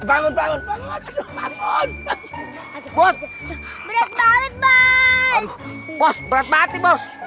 aduh bos berat banget nih bos